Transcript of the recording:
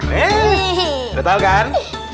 hei udah tau kan